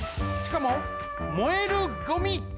しかも燃えるゴミ。